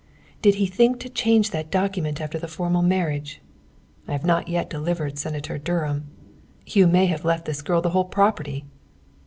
Did he think to change that document after the formal marriage? I have not yet delivered Senator Durham! Hugh may have left this girl the whole property!